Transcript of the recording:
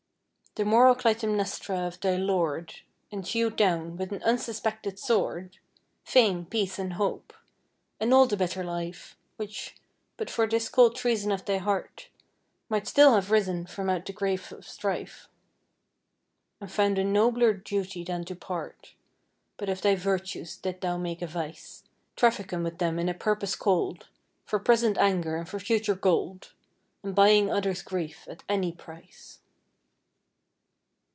The moral Clytemnestra of thy lord, And hewed down, with an unsuspected sword, Fame, peace, and hope and all the better life Which, but for this cold treason of thy heart, Might still have risen from out the grave of strife, And found a nobler duty than to part. But of thy virtues didst thou make a vice, Trafficking with them in a purpose cold, For present anger, and for future gold And buying others' grief at any price.